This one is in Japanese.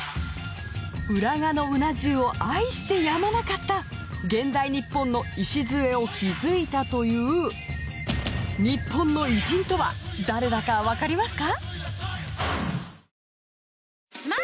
浦賀のうな重を愛してやまなかった現代ニッポンの礎を築いたというニッポンの偉人とは誰だかわかりますか？